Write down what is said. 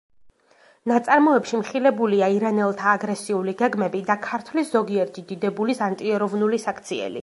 ნაწარმოებში მხილებულია ირანელთა აგრესიული გეგმები და ქართლის ზოგიერთი დიდებულის ანტიეროვნული საქციელი.